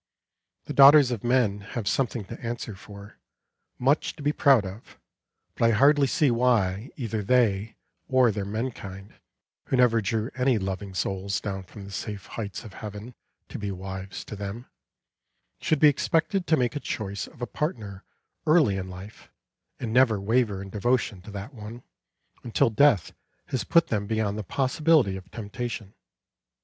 The daughters of men have something to answer for, much to be proud of; but I hardly see why either they, or their menkind, who never drew any loving souls down from the safe heights of heaven to be wives to them, should be expected to make a choice of a partner early in life and never waver in devotion to that one, until death has put them beyond the possibility of temptation.